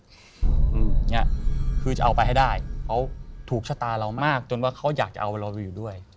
คือถูกเชิดไปให้ได้เพราะเขาถูกชะตาเรามากจนว่าเขาอยากจะเอาไปรอบริวดิวด้วย